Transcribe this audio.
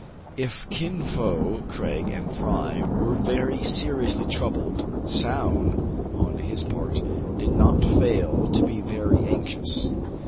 If Kin Fo, Craig, and Fry were very seriously troubled, Soun, on his part, did not fail to be very anxious.